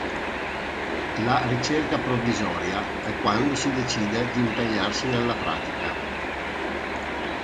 La "ricerca provvisoria" è quando si decide di impegnarsi nella pratica.